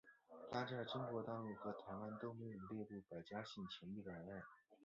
它在中国大陆和台湾都没有列入百家姓前一百位。